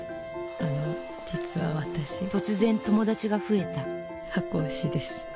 あの実は私突然友達が増えた箱推しです。